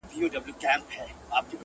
په يوه جادو دي زموږ زړونه خپل كړي.!